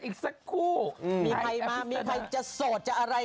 ก็คือเขาก็ทัชอยู่อาหารใช่นะครับ